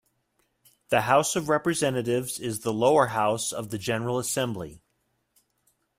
The House of Representatives is the lower house of the General Assembly.